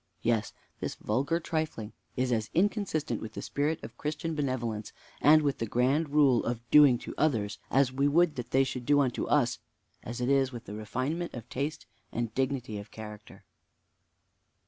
Yes, this vulgar trifling is as inconsistent with the spirit of Christian benevolence, and with the grand rule of 'doing to others as we would that they should do to us,' as it is with refinement of taste and dignity of character."